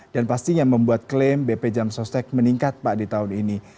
dan pastinya membuat klaim bp jamstostek meningkat pak di tahun ini